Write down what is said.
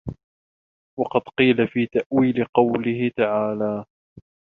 وَقَدْ قِيلَ فِي تَأْوِيلِ قَوْله تَعَالَى